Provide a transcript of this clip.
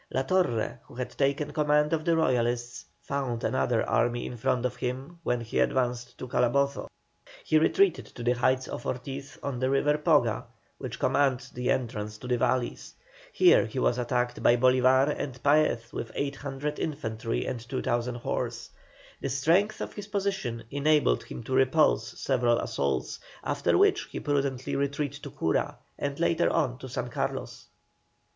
La Torre, who had taken command of the Royalists, found another army in front of him when he advanced to Calabozo. He retreated to the heights of Ortiz on the river Poga, which command the entrance to the valleys. Here he was attacked by Bolívar and Paez with 800 infantry and 2,000 horse. The strength of his position enabled him to repulse several assaults, after which he prudently retreated to Cura, and later on to San Carlos.